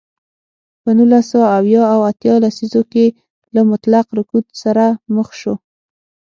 په نولس سوه اویا او اتیا لسیزو کې له مطلق رکود سره مخ شو.